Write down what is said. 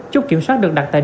trúc kiểm soát được đặt tài xế